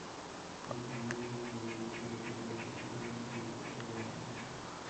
কাজেই সমাধানের জন্যও রাজনৈতিক সদিচ্ছা এবং রাষ্ট্রের শীর্ষপর্যায়ের সম্পৃক্ততা দরকার হবে।